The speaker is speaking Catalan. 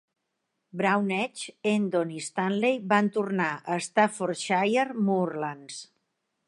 Brown Edge, Endon i Stanley van tornar a Staffordshire Moorlands.